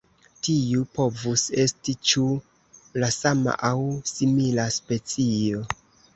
Tiu povus esti ĉu la sama aŭ simila specio.